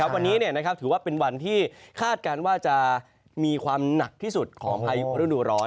วันนี้ถือว่าเป็นวันที่คาดการณ์ว่าจะมีความหนักที่สุดของพายุฤดูร้อน